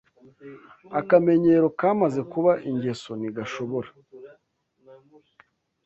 Akamenyero kamaze kuba ingeso ntigashobora